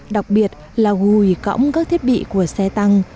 đặc biệt là gùi cõng các thiết bị của xe tăng